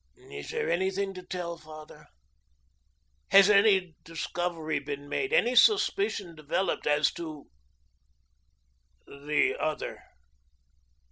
Is there anything to tell, Father? Has any discovery been made, any suspicion developed, as to the Other?"